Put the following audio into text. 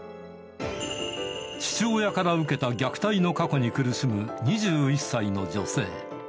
父親から受けた虐待の過去に苦しむ２１歳の女性。